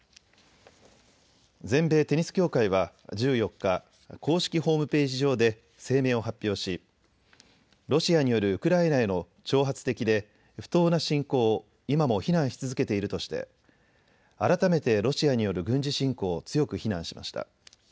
全米テニス協会は１４日、公式ホームページ上で声明を発表し、ロシアによるウクライナへの挑発的で不当な侵攻を今も非難し続けているとして改めてロシアによる軍事侵攻を強く非難しました。